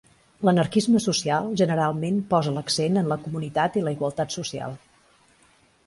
L'anarquisme social generalment posa l'accent en la comunitat i la igualtat social.